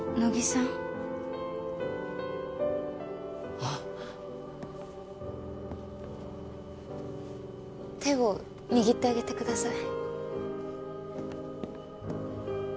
あっ手を握ってあげてください